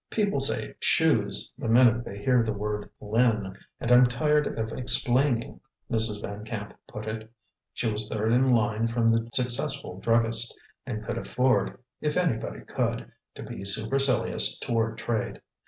"People say 'shoes' the minute they hear the word Lynn, and I'm tired of explaining," Mrs. Van Camp put it. She was third in line from the successful druggist, and could afford, if anybody could, to be supercilious toward trade.